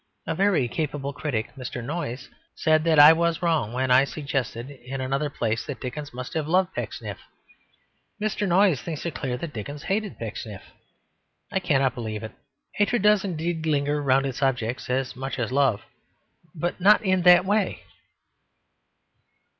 A very capable critic, Mr. Noyes, said that I was wrong when I suggested in another place that Dickens must have loved Pecksniff. Mr. Noyes thinks it clear that Dickens hated Pecksniff. I cannot believe it. Hatred does indeed linger round its object as much as love; but not in that way.